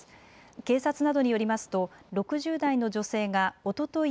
警察などによりますと６０代の女性がおととい